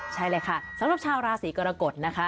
ใช่เลยค่ะสำหรับชาวราศีกรกฎนะคะ